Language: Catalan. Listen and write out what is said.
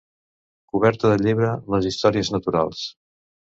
Coberta del llibre 'Les històries naturals'